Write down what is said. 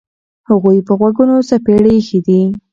هغوی په غوږونو څپېړې ایښي دي.